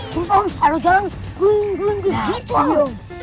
terus om kalau jalan bleng bleng gitu om